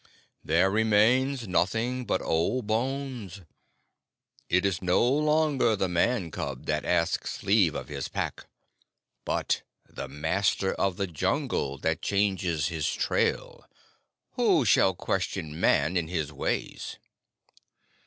There remains nothing but old bones. It is no longer the Man cub that asks leave of his Pack, but the Master of the Jungle that changes his trail. Who shall question Man in his ways?"